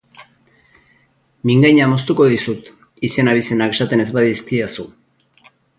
Mingaina moztuko dizut, izen-abizenak esaten ez badizkidazu!